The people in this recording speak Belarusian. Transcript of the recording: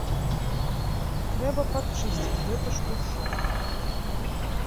Трэба падчысціць гэты штуршок.